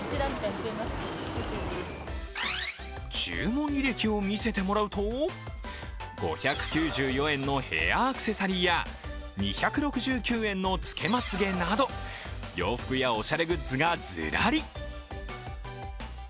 注文履歴を見せてもらうと、５９４円のヘアアクセサリーや２６９円のつけまつげなど洋服やおしゃれグッズがずらり。